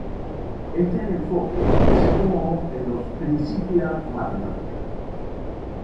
Este es el enfoque que se tomó en los Principia Mathematica.